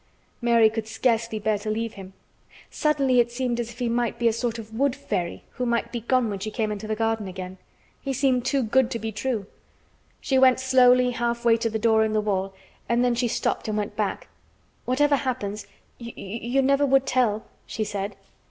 Mary could scarcely bear to leave him. Suddenly it seemed as if he might be a sort of wood fairy who might be gone when she came into the garden again. He seemed too good to be true. She went slowly half way to the door in the wall and then she stopped and went back. "Whatever happens, you—you never would tell?" she said.